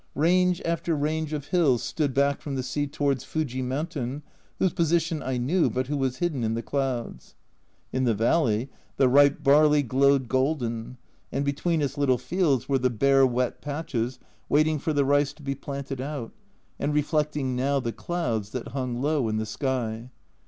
Range after range of hills stood back from the sea towards Fuji mountain, whose position I knew, but who was hidden in the clouds. In the valley the ripe barley glowed golden, and between its little fields were the bare wet patches waiting for the rice to be planted out, and reflecting now the clouds that hung low in the sky.